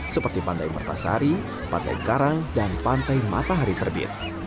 seperti pantai mertasari pantai karang dan pantai matahari terbit